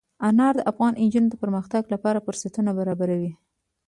انار د افغان نجونو د پرمختګ لپاره فرصتونه برابروي.